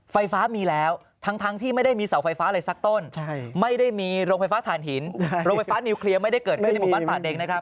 ไฟฟ้ามีแล้วทั้งที่ไม่ได้มีเสาไฟฟ้าอะไรสักต้นไม่ได้มีโรงไฟฟ้าฐานหินโรงไฟฟ้านิวเคลียร์ไม่ได้เกิดขึ้นในหมู่บ้านป่าเด็งนะครับ